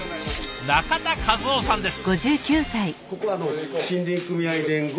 中田和男さんです。